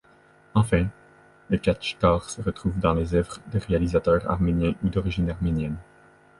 Enfin, le khatchkar se retrouve dans les œuvres de réalisateurs arméniens ou d'origine arménienne.